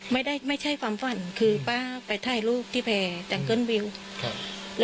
ไม่ใช่ไม่ใช่ความฝันคือป้าไปถ่ายรูปที่แพร่จังเกิ้ลวิวครับ